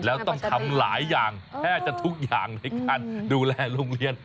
แล้วต้องทำหลายอย่างแทบจะทุกอย่างในการดูแลโรงเรียน